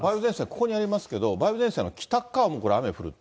ここにありますけど、梅雨前線の北側も雨が降ると。